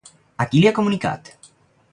A qui li ha comunicat?